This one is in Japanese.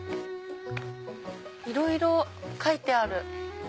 いろいろ書いてある。